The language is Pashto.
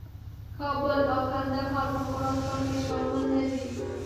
کابل او کندهار په خراسان کې شامل نه دي.